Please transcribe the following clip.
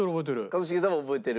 一茂さんも覚えてる？